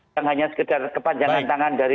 yang hanya sekedar kepanjangan tangan dari